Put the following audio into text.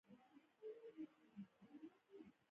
د هغوی پر خبرو غوږ نیوی.